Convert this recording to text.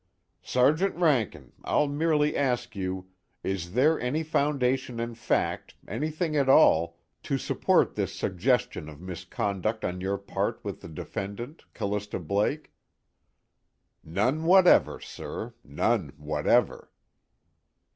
"Sergeant Rankin, I'll merely ask you: is there any foundation in fact, anything at all, to support this suggestion of misconduct on your part with the defendant Callista Blake?" "None whatever, sir. None whatever."